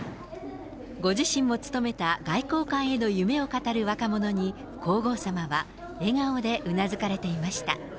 ご自身も務めた外交官への夢を語る若者に皇后さまは笑顔でう